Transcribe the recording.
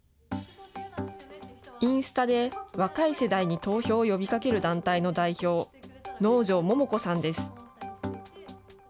インスタで若い世代に投票を呼びかける団体の代表、能條桃子さんです。